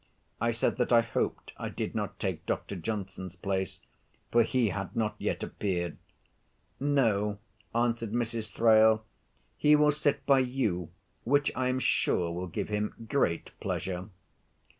I said that I hoped I did not take Dr. Johnson's place; for he had not yet appeared. "No," answered Mrs. Thrale, "he will sit by you, which I am sure will give him great pleasure."